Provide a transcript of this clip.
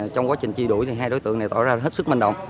trong quá trình truy đuổi hai đối tượng này tỏ ra hết sức manh động